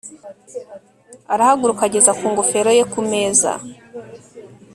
arahaguruka, ageza ku ngofero ye ku meza.